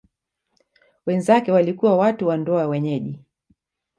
Wenzake walikuwa watu wa ndoa wenyeji.